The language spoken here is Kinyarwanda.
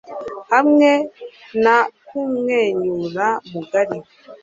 hamwe no kumwenyura mugari